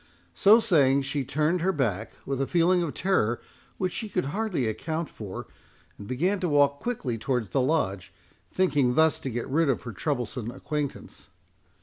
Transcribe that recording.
So saying, she turned her back, with a feeling of terror which she could hardly account for, and began to walk quickly towards the Lodge, thinking thus to get rid of her troublesome acquaintance.